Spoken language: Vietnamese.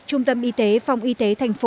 trung tâm y tế phòng y tế thành phố